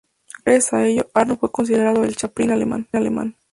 Gracias a ello, Arno fue considerado el „Chaplin alemán“.